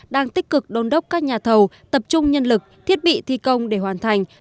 đang tích cực đôn đốc các nhà thầu tập trung nhân lực thiết bị thi công để hoàn thành